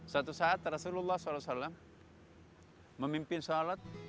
suatu saat rasulullah saw memimpin sholat